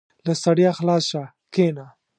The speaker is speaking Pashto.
• له ستړیا خلاص شه، کښېنه.